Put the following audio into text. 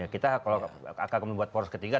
kita kalau akan membuat poros ketiga